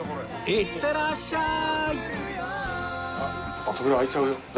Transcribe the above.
いってらっしゃい！